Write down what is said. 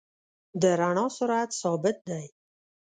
د رڼا سرعت ثابت دی.